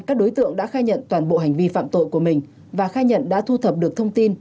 các đối tượng đã khai nhận toàn bộ hành vi phạm tội của mình và khai nhận đã thu thập được thông tin